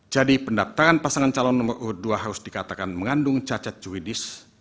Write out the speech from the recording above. jadi pendaptaran pasangan calon nomor urut dua harus dikatakan mengandung cacat juridis